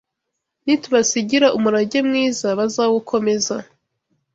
nitubasigira umurage mwiza bazawukomeza